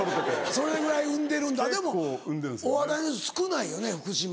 それぐらい生んでるんだでもお笑い少ないよね福島は。